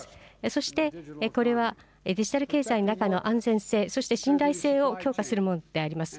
そして、これはデジタル経済の中の安全性、そして信頼性を強化する者であります。